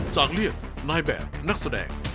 จากเรียกนายแบบนักแสดง